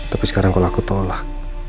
tapi sekarang kalau aku tolak